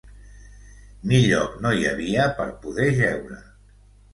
Ni lloc no hi havia per poder jeure